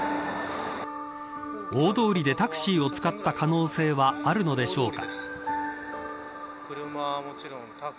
大通りでタクシーを使った可能性はあるのでしょうか。